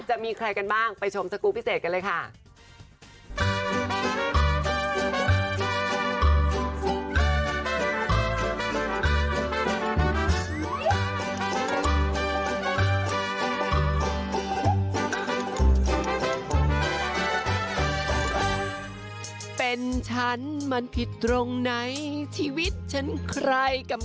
จะมีใครกันบ้างไปชมสกูลพิเศษกันเลยค่ะ